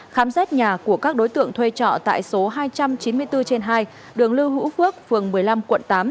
khám xét nhà của các đối tượng thuê trọ tại số hai trăm chín mươi bốn trên hai đường lưu hữu phước phường một mươi năm quận tám